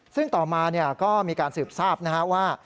ซึ่งต่อมาก็มีการสืบทราบนะฮะว่า